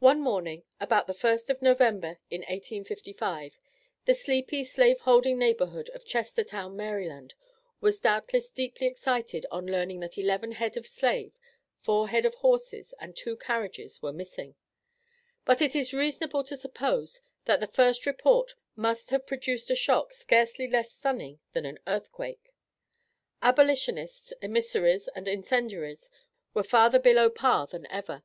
One morning about the first of November, in 1855, the sleepy, slave holding neighborhood of Chestertown, Maryland, was doubtless deeply excited on learning that eleven head of slaves, four head of horses, and two carriages were missing. It is but reasonable to suppose that the first report must have produced a shock, scarcely less stunning than an earthquake. Abolitionists, emissaries, and incendiaries were farther below par than ever.